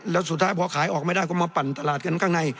แล้วสุดท้ายพอขายออกไม่ได้ก็มาปั่นตลาดกันข้างใน